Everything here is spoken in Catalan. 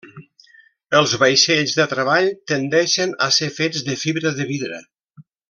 Els vaixells de treball tendeixen a ser fets de fibra de vidre.